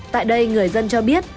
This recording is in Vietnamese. tại đây người dân cho biết